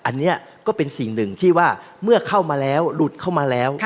อันนี้ก็เป็นสิ่งหนึ่งที่ว่าเมื่อเข้ามาแล้วหลุดเข้ามาแล้ว